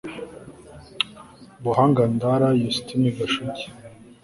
BuhangaNdara Yustini Gashugi